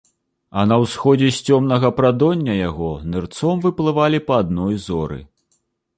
А на ўсходзе з цёмнага прадоння яго нырцом выплывалі па адной зоры.